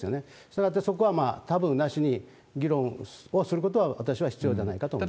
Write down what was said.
したがって、そこはたぶんなしに議論をすることは、私は必要だと思います。